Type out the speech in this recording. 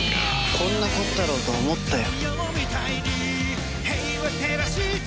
こんなこったろうと思ったよ。